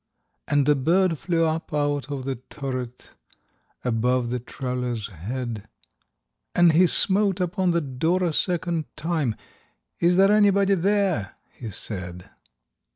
And a bird flew up out of the turret, Above the traveler's head: And he smote upon the door a second time; "Is there anybody there?" he said.